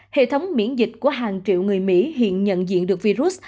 hệ thống miễn dịch của hàng triệu người mỹ hiện nhận diện được virus